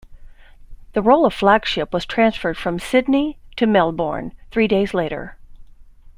The role of flagship was transferred from "Sydney" to "Melbourne" three days later.